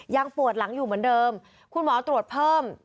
ยังปวดหลังอยู่เหมือนเดิมคุณหมอตรวจเพิ่ม